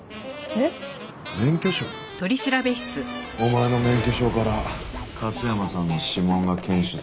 お前の免許証から勝山さんの指紋が検出されたよ。